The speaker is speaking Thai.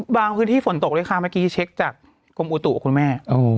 พื้นที่ฝนตกด้วยค่ะเมื่อกี้เช็คจากกรมอุตุกับคุณแม่